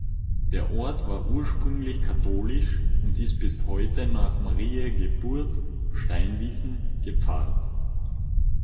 Der Ort war ursprünglich katholisch und ist bis heute nach Mariä Geburt (Steinwiesen) gepfarrt.